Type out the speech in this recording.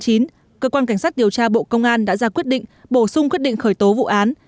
cơ quan cảnh sát điều tra bộ công an đã ra quyết định bổ sung quyết định khởi tố vụ án